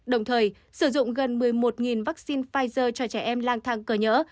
đồng thời sử dụng gần một mươi một vaccine pfizer cho trẻ em lang thang cờ nhỡ